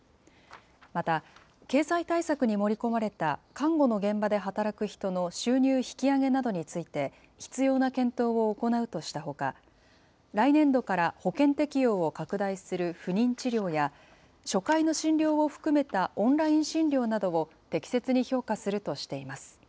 また、経済対策に盛り込まれた看護の現場で働く人の収入引き上げなどについて、必要な検討を行うとしたほか、来年度から保険適用を拡大する不妊治療や、初回の診療を含めたオンライン診療などを適切に評価するとしています。